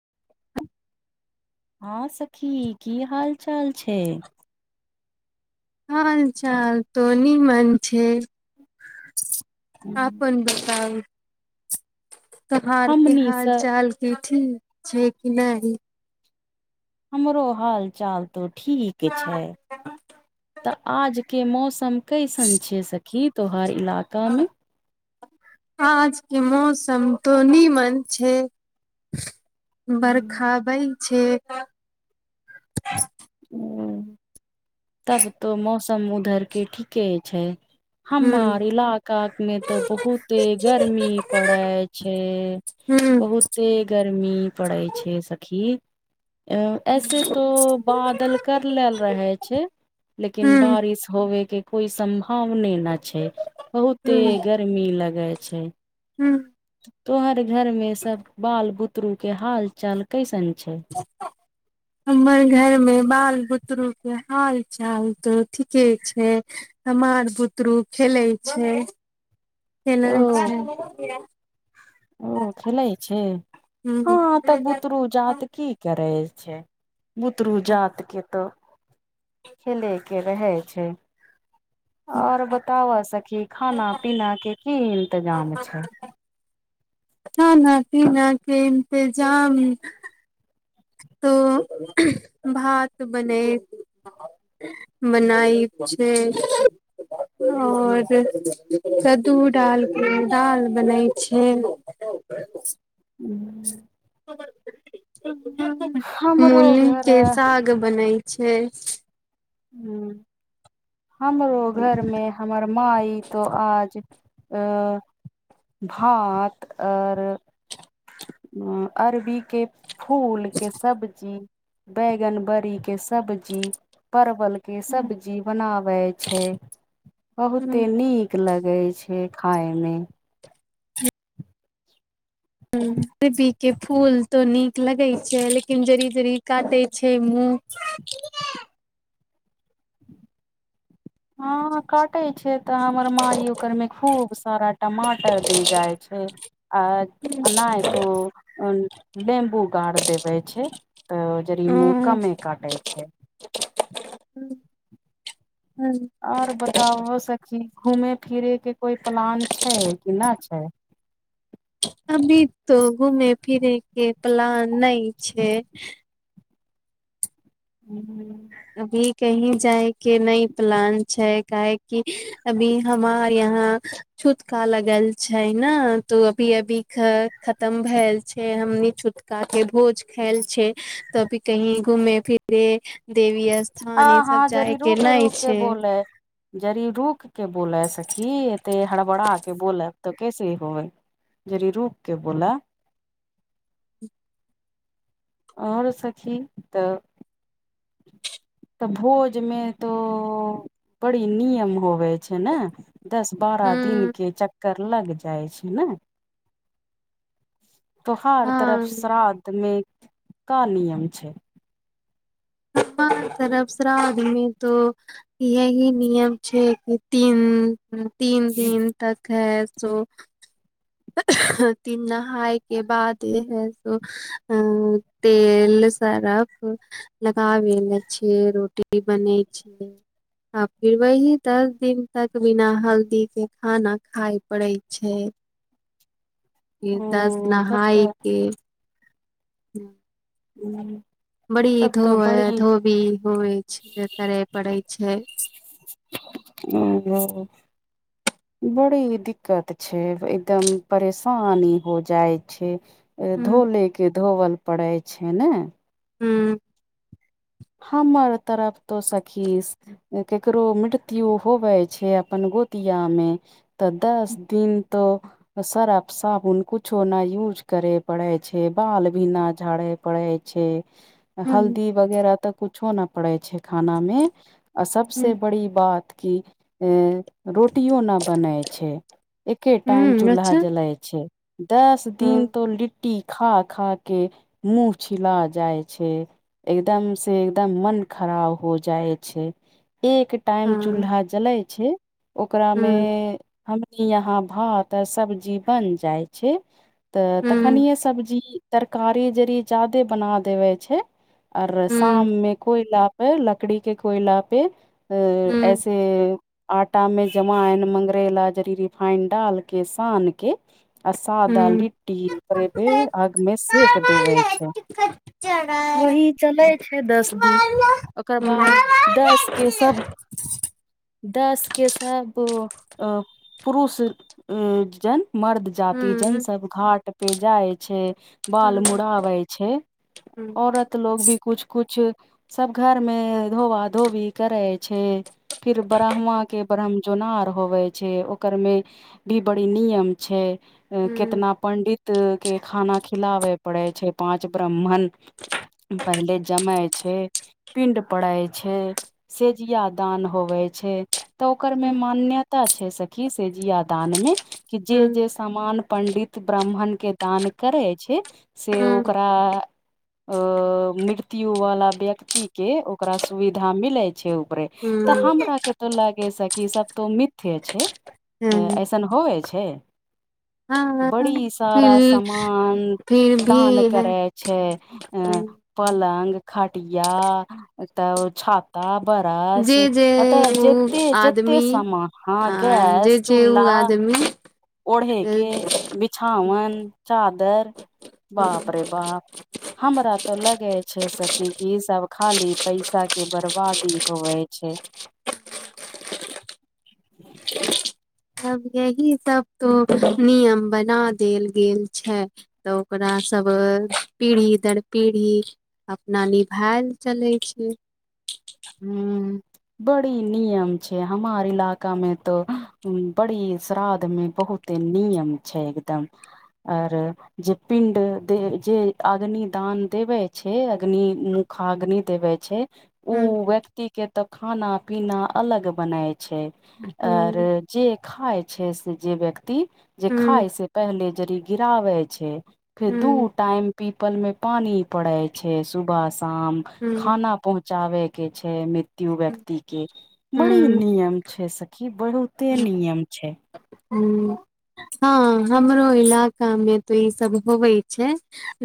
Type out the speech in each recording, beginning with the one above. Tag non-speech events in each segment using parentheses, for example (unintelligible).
(unintelligible) हँ सखी की हाल चाल छै। हँ चाल त निमं छै। आन बताउ। तोहार के हमनी स हाल चाल के ठीक छै कि नहि। हमरो हाल चाल तो ठीक छै त आज के मौसम कैसन छै सखी तोहार इलाका मे हँ। आज के मौसम तनी मन छै। बर्खा बै छै। ओ तब तऽ मौसम उधर के ठीके छै। हूँ हमर इलाका मे तऽ बहुते गर्मी पड़े छै। हूँ बहुते गर्मी पड़ै छै सखी ऐसे तो बादल कर लेलऽ रहे छै लेकिन हूँ बारिश होवे के कोई समभ हमने ने छै बहुते गर्मी लगे छै हँ। तोहर घरमे सभ बाल बुतरूके हाल चाल कैसन छै। हमर घर मे बाल बुतरु के हाल चालतो ठीके छै। हमार बुतरू खेलै छै ओ खेलैत छै। ओ खेलै छै हँ तऽ बुतरू हूँ जात कि करै छै बुतरू जातके त खेले के रहै छै आओर। बतावा सखी खाना पीना के कि इंतजाम छै खाना पिना के इतजाम तो भात बनेय। बनाय छै। आओर कद्दू डाल दडाल बनै छै। (unintelligible) ह। हमरो मूल घर के सग बनै छै ह हमरो घरमे। हमर माइ तो आज भात आओर। उ अरबी के फूल के सब्जी। बैगनबरीके सब्जी। परवल के सब्जी बनावे छै बहुते नीक। नीक लगै छै खायमे खर्बी के फूल तो नीक लगे छै लेकिन जड़ी जरी काटे छै मुँह। (unintelligible) हँ कटई छै तऽ हमर माइ ओकरमे खूब सारा टमाटर द जाइ छै आ नहि तो नेीम्बू गाार देबे छै तऽ जरी मु मुँह कमे काटे छै (unintelligible) आऔर बताबो सखी घूमे फिरे कऽ कोई प्लान छै कि नहि छै अभी तऽ घूमे फिरे के प्लन नहि छै (unintelligible) अभी कही जायके नहि प्लान छै काहेकि अभी हमार यहाँ छूतका लगल छै नऽ तो अभी अभी खत्म भेलल छै हमनी छुथका के भोज खायल छै तभी कही घूमे फिरे देवी आ स्थान ई सब हँ जरी जाय कऽ रुक नहि रुक के छै बोलै जरी रूक के बोलै सखी तऽ ई हड़बड़ा के बोलै तऽ कैसे ह होबे ज रूप के बोला आओर सखी तऽ तऽ भोजमे तो बरी निियम होवे छै नऽ दस बारह हूँ दिनके चक्कर लग जाइ छै नऽ त्योहार तरफ हँ श्रादध मऽ का नियम छै हमरा तरफ शराादमे त इ ही निियम छै तीन तीन दिन तक है सो तीन नहाय के बाद हैो (unintelligible) तेल सर्फ लगाबे ल छियै रोटी बनै छियै आ फिर वही दस दिन तक बिना हल्दी कऽ खाना खाय पड़े छै फेर दस ओ तब तऽ नहाायके हूँ (unintelligible) बड़ी तब धो तऽ बड़ी धोबी होइ छै करे पड़ै छै (unintelligible) बड़ी दिक्कत छै एकदम परेशानी हो जाइ छै हुँ धोले के धोवल पड़े छै ने हूँ हमर तरफ तो सखी केकरो मृत्यु होबै छै अपन गोतिया मे तऽ दस दिन तऽ सर्फ साबुन कुछो नऽ यूज करे पड़े छै बाल भी न झाड़े पड़ै छै हुँ हल्दी वगैरह तऽ कुछो नहि पड़ै छै खाना मे आ सबसँ हुँ बड़ी बात की अ रोटियो न बनय छै एके टाइम हुँ चूल्हा अच्छा जलाय छै दस हँ दिन तऽ लिट खा खा के मुह छिला जाइ छै एकदम से एकदम मन खराब हो जाय छै एक टाइम हँ चूल्हा जले छै। ओकरामे। हुँ हमनी यहा भाव त सब्जी बन जाय छै। तऽ हुँ तखनि सब्जी तरकारी जड़ जादे बना देबै छै शाम हुँ मे कोयलापे लकड़ी के कोयला पे अ हुँ ऐसे। आटा मे जमा एन मंगरैला जरी रिफाइन डाल के सान के। आ सादा हुँ लिट्टी अग मे सेक देवे छै वही चल। दस दिन ओकर बाद दस के सभ दास के साब। पुरुष जन मर्द जाति जन सभ घाट पे जाइ छै बाल मुड़ाबै छै औरत लोग भी। कुछ कुछ सभ घर मे धोबा धोबी करै छै फिर ब्राह्म के ब्रह्म। चोनार होवे छै ओकर मे भी बड़ी नियम छै कितना पंडित। के खाना खिलाबे पड़े छै पाँच ब्राह्मण। पहिले जमा छै। पिंड पड़ै छै सेजिया दान होवै छै। तऽ ओकर मे मान्यता छै सखी से जिया दान मे कि जे जे। समान पण्डित ब्राह्मण के दान करै छै से ओकरा। अ मृत्यु वाला व्यक्ति के ओकरा सुविधा मिले छै परे। तऽ हमरा के तो लगे सभ तो मिथ्य छै सन होइ छै। बड़ी सारा फिर समामान फिर भी दान है करै छै अ। पलग खटिया तऽ ओ छात त बरस जे जे एताऽ उ जते जते सम हा गैस। चब चूल्हा आदमी। ओढ़े के बिछओन चादर। बाप रे बाप हँ बरात। तो लगे छै सखी क ई सभ खाली पैसा के बर्बादी होवे छै (unintelligible) अब यही सभ तो नियम बना देल गेल छै तऽ ओकरा सभ पीढ़ी दर पीढ़ी। अपना निभायल चलै छै। हू। बड़ी नियम छै हमार इलाका मे तो बड़ी श्रादध मे बहुत। नियम छै एकदम आओर। जे पिण्ड दे जे अग्नि दान देबे छै अग्नि म खाग्नी देबै छै। ओ हू। व्यक्ति के तऽ खाना पीना अलग बनाय छै आर। हूँ जे खाय छै से जे व्यक्ति जे हूँ खाय से पहिले जड़ गिरावे छै फेर दू हूँ टाइम। पीपल मे पानी पड़े छै सुबह शाम हूँ खाना चावे के छै मृत्यु व्यक्ति के बड़ी हूँ नियम छै सखी बड़। से नियम छै। ह हँ हमरो इलाका मे तऽ ई सभ होवे छै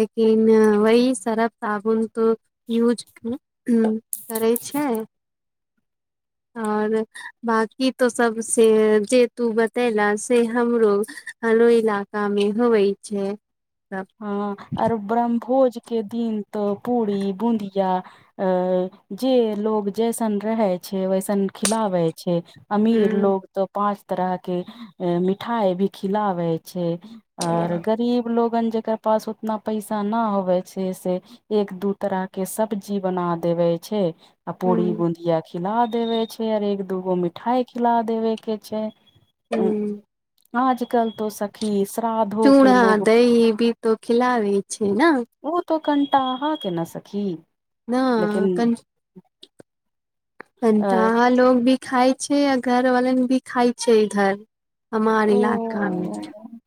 लेकिन वह सर्फ साबुन त यूज। करै छै। आओर बकी तो सभ से जे तू बतैल से हमरो हलो इलका मे हो वै छै। सब हँ आर ब्रह्मभोज के दिन तऽ पूरी बुदिया आ जे लोग जैसन रहै छै वैसन खिलाबै छै अमीर हूँ लोग तो पाँच तरह के मिठाई भी खिलाबे छै आर गरीब लोगन जकर पास उतना पैसा न होबे छै से। एक दू तरह के सब्जी बना देबे छै। आ हूँ पूड़ी बुदिया खिला देवे छै आऔर एक दूगो मिठाई खिला देवे के छै। हू। अ, आजकल तो सखी श्राधो के लोग। ही भी। तऽ खिलबे छै ने ओ तो कनिटाहा के ने सखी ने लेकिन अ कन्ता लोग भी खाय छै आ घरवाला भी खाय छै इधर हमार ओ इलाका मे।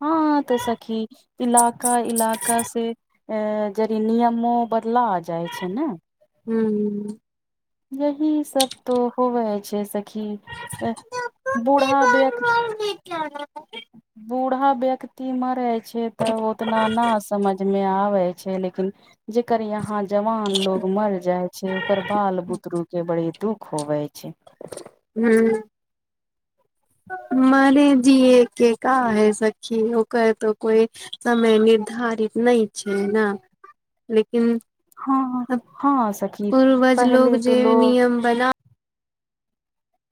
हँ तऽ सखी इलाका इलाका से। अ जरी नियमो बदला आ जाइ छै ने। हू। यही सभ तो होवे छै सखी बूढ़ा व भ। बूढ़ा व्यक्ति मरै छै तऽ ओ। इतना ने समझ मे आबे छै लेकिन। जेकर यहाँ जवान लोग मर जाय छै ओकर बाल बुतरु के बड़े दुख होवे छै हू। मने जीए के का है सखी ओ कहै त कोइ। समय निर्धारित नहि छै ने लेकिन। हँ हँ सखी पूर्वज पहले लोक तो जे लोग नियम बना।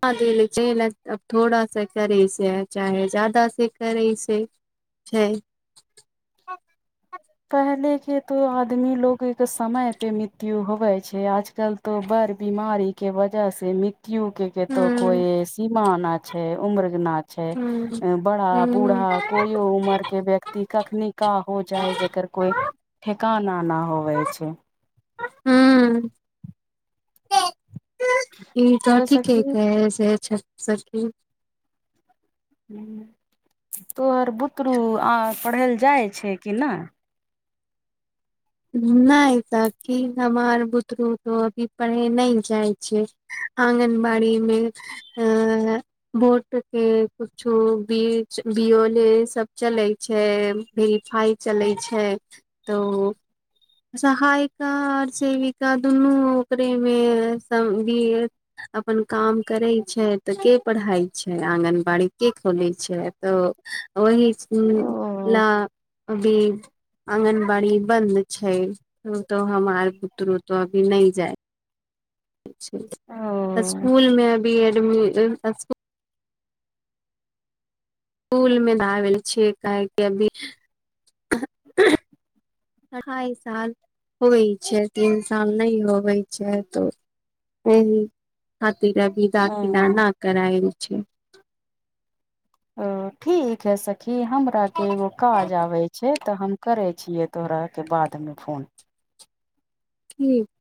ही अब थोड़ा सा करै से चाहे जादा से करै से। छै। पहले के तो आदमी लोग एक समय पे मृत्यु होवै। आजकल तो बड़ बीमारी के वजह से मृत्यु के। के त हूं कोइ सीमा न छै उम्र न छै हूं बड़ा हूं बूढ़ा। कोय उमर के व्यक्ति कखन काह हो जाय जे। एकर कोई ठेकाना नहि होवे छै। हू। ई तऽ ठीके कै से छी। ह तोहर बुतरू आ पढ़ै लए जाइ छै कि नहि। नहि तखि हमर बुतरू तो अभी पढ़े नहि जाइ छै। अंगनबाड़ी मे (inaudible) बोट के कुछो बीच बओले सभ चलै छै। वेरिफाइ चलै छै त सहायिका आओर सेविका दुनू ओकरे मे समगी अपन काम करै छै तऽ के पढ़ाइ छै आङगनबाड़ी के खोलैत छै त ओहि ओ अभी आङगनबाड़ी बन्द। छै तो हमार बुतरू तो अभी ने जाय ओ स्कुल मे अभी एडम। पूल मे दाबल छियै काहके अभी अढ़ाइ साल हो छै तीन साल नहि होबै छै त ओ खाति रबी दाखील ओ न करायल छै। ओ ठीक है सखी हमरा के एगो काज आबे छै तऽ हम। करे छियै तोहराक के बादमे फोन। कठ।